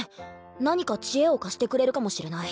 何か知恵を貸してくれるかもしれない。